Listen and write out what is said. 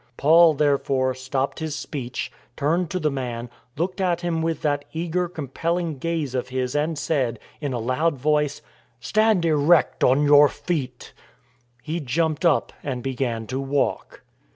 Paul, therefore, stopped his speech, turned to the man, looked at him with that eager, compelling gaze of his and said, in a loud voice :" Stand erect on your feet." He jumped up and began to walk.